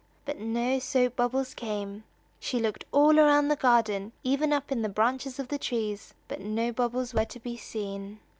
But no soap bubbles came. She looked all around the garden, even up in the branches of the trees, but no bubbles were to be seen.